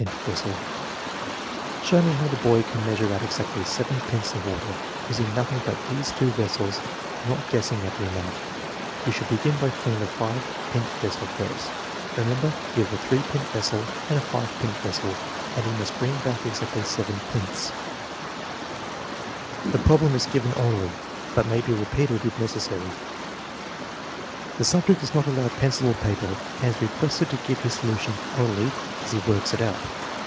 $46 THE MEASUREMENT OF INTELLIGENCE SJww me how the boy can measure out exactly 7 pints of water, using nothing but these two vessels and not guessing at the amount You should begin by filling the 5 pint vessel first Remember, you have a 3 pint vessel and a 5 pint vessel and you must bring back exactly 7 pints. The problem is given orally, but may be repeated if necessary. The subject is not allowed pencil or paper and is requested to give his solution orally as he works it out.